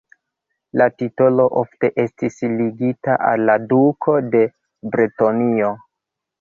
La titolo ofte estis ligita al la duko de Bretonio.